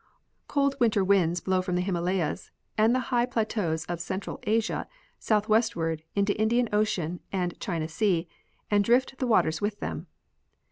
Cold winter winds blow from the Himalayas and the high plateaus of central Asia southwestward into Indian ocean and China sea and drift the waters with them.